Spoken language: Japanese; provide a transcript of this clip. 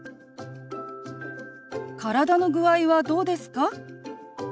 「体の具合はどうですか？」。